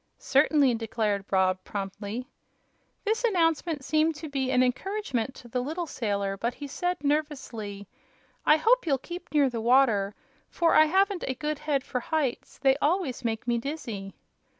"Certainly," declared Rob, promptly. This announcement seemed to be an encouragement to the little sailor, but he said, nervously: "I hope you'll keep near the water, for I haven't a good head for heights they always make me dizzy."